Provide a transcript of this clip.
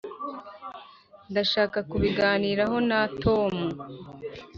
ndashaka kubiganiraho na tom.